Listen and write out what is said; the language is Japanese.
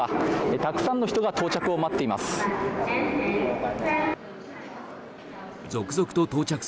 たくさんの人が到着を待っています。